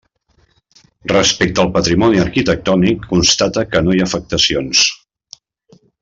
Respecte al patrimoni arquitectònic constata que no hi ha afectacions.